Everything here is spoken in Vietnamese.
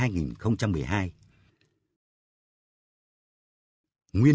nguyên nhân của sự giảm suất đó